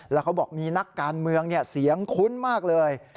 แล้วเขาบอกมีนักการเมืองเสียงคุ้นมากเลย